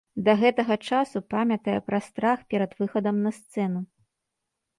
Да гэтага часу памятае пра страх перад выхадам на сцэну.